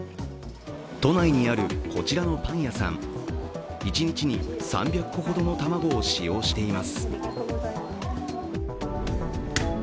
都内にある、こちらのパン屋さん一日に３００個ほどの卵を使用しています。